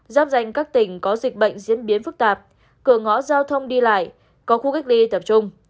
giáp danh các tỉnh có dịch bệnh diễn biến phức tạp cửa ngõ giao thông đi lại có khu cách ly tập trung